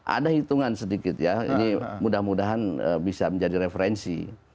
ada hitungan sedikit ya ini mudah mudahan bisa menjadi referensi